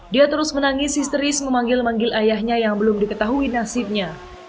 dia terus menangis histeris memanggil manggil ayahnya yang belum diketahui nasibnya